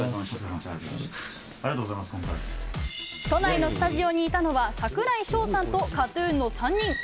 都内のスタジオにいたのは櫻井翔さんとＫＡＴ‐ＴＵＮの３人。